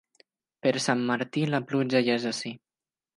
Per Sant Martí la pluja ja és ací.